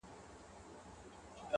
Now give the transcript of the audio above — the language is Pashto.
• سیاه پوسي ده، شپه لېونۍ ده،